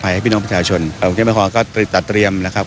พี่น้องประชาชนกำลังคิดมาคองก็ตริกตัดเตรียมครับ